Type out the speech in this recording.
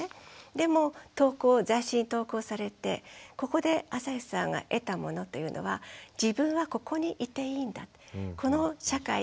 でも雑誌に投稿されてここであさひさんが得たものというのは自分はここに居ていいんだこの社会